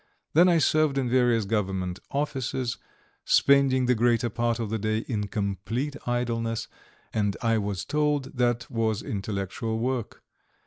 Then I served in various Government offices, spending the greater part of the day in complete idleness, and I was told that was intellectual work.